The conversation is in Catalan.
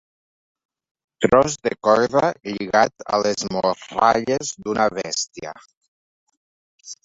Tros de corda lligat a les morralles d'una bèstia.